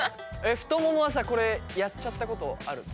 ふとももはさこれやっちゃったことあるの？